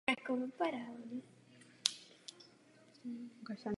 Po skončení války prováděl pro nový režim špionáž v zahraničí.